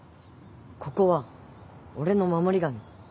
ここは俺の守り神。